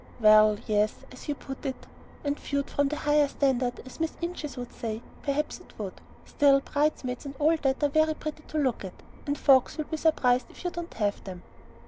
"Well, yes, as you put it, and 'viewed from the higher standard,' as Miss Inches would say, perhaps it would. Still, bridesmaids and all that are very pretty to look at; and folks will be surprised if you don't have them."